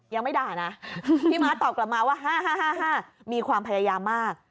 ยังไม่ด่านะพี่ม้าตอบกลับมาว่า๕๕มีความพยายามมาก